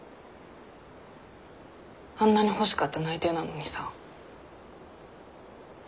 あんなに欲しかった内定なのにさ。